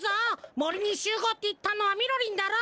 もりにしゅうごうっていったのはみろりんだろ。